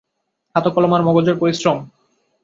খাতা-কলম আর মগজের পরিশ্রম।